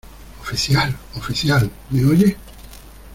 ¡ oficial! ¡ oficial !¿ me oye?